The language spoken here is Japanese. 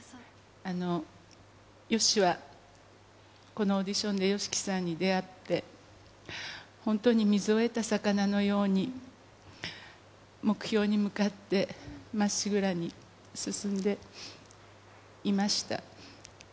ＹＯＳＨＩは、このオーディションでＹＯＳＨＩＫＩさんに出会って、本当に水を得た魚のように、目標に向かってまっしぐらに進んでいました。